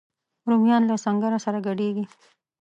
رومیان له سنګره سره ګډیږي